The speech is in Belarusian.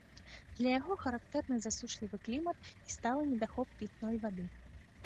Для яго характэрны засушлівы клімат і сталы недахоп пітной вады.